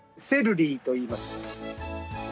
セルリーといいます。